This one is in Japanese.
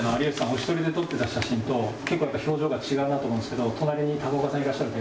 お一人で撮ってた写真と結構やっぱり表情が違うなと思うんですけど隣に高岡さんいらっしゃるとやっぱりちょっとなんか。